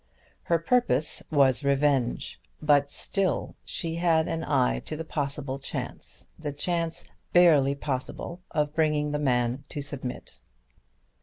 Her purpose was revenge; but still she had an eye to the possible chance, the chance barely possible of bringing the man to submit.